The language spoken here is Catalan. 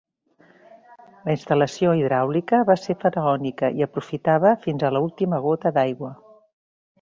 La instal·lació hidràulica va ser faraònica i aprofitava fins a l'última gota d'aigua.